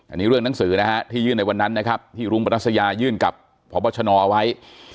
อันนี้เรื่องหนังสือนะฮะที่ยื่นในวันนั้นนะครับที่รุ้งปรัสยายื่นกับพบชนเอาไว้